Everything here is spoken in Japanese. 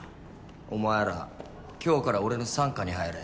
お前ら今日から俺の傘下に入れ。